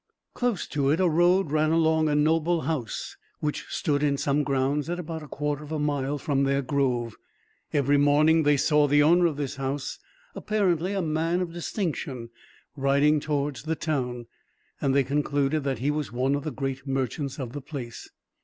Close to it a road ran along to a noble house, which stood in some grounds at about a quarter of a mile from their grove. Every morning they saw the owner of this house, apparently a man of distinction, riding towards the town; and they concluded that he was one of the great merchants of the place.